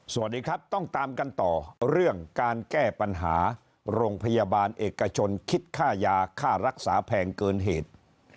สวัสดีครับต้องตามกันต่อเรื่องการแก้ปัญหาโรงพยาบาลเอกชนคิดค่ายาค่ารักษาแพงเกินเหตุ